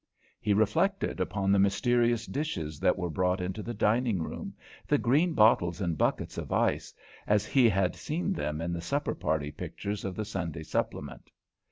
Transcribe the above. He reflected upon the mysterious dishes that were brought into the dining room, the green bottles in buckets of ice, as he had seen them in the supper party pictures of the Sunday supplement.